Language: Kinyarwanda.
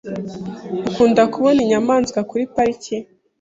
Ukunda kubona inyamaswa kuri pariki?